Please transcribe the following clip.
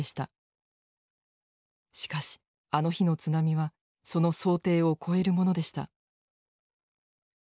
しかしあの日の津波はその想定を超えるものでした。